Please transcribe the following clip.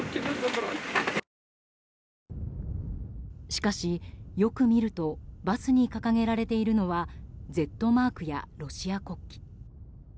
しかし、よく見るとバスに掲げられているのはＺマークや、ロシア国旗。